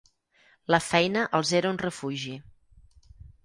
La feina els era un refugi.